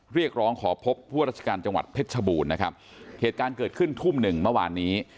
เรียกร้องขอพบผู้ราชการจังหวัดเพชรชบูรณ์นะครับเหตุการณ์เกิดขึ้นทุ่มหนึ่งเมื่อวานนี้